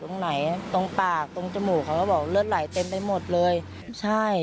ตรงไหนตรงปากตรงจมูกเขาก็บอกเลือดไหลเต็มไปหมดเลยใช่